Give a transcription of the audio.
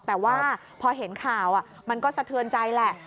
แต่ว่าพอเห็นข่าวมันก็สะเทือนใจแหละ